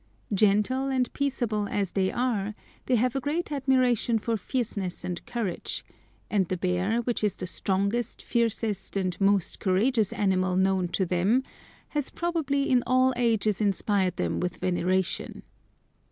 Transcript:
Gentle and peaceable as they are, they have a great admiration for fierceness and courage; and the bear, which is the strongest, fiercest, and most courageous animal known to them, has probably in all ages inspired them with veneration.